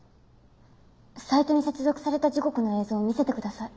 サイトに接続された時刻の映像を見せてください。